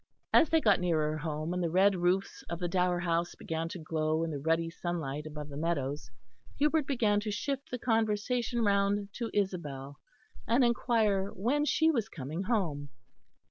As they got nearer home and the red roofs of the Dower House began to glow in the ruddy sunlight above the meadows, Hubert began to shift the conversation round to Isabel, and inquire when she was coming home.